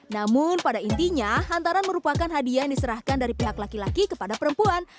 namun pada intinya hantaran merupakan hadiah yang diserahkan dari pihak laki laki kepada perempuan